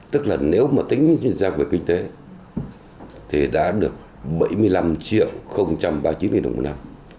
tức là nếu mà tính ra về kinh tế thì đã được bảy mươi năm triệu ba mươi chín nghìn đồng một năm